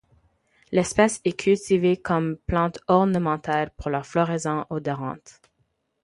L'espèce est cultivée comme plante ornementale pour leur floraison odorante.